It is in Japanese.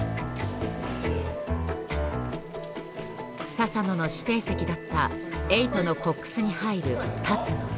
佐々野の指定席だったエイトのコックスに入る立野。